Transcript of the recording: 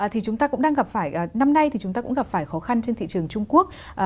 thì chúng ta cũng đang gặp phải năm nay thì chúng ta cũng gặp phải khó khăn trên thị trường trung quốc